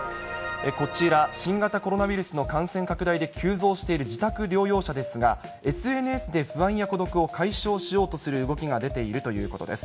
こちら、新型コロナウイルスの感染拡大で急増している自宅療養者ですが、ＳＮＳで不安や孤独を解消しようとする動きが出ているということです。